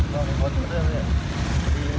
ขอบคุณพระเจ้าเลย